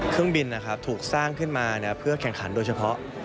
เครื่องบินถูกสร้างขึ้นมาเพื่อแข่งขันโดยเฉพาะ